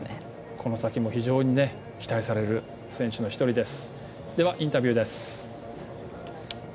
この先も非常に期待される選手の１人です。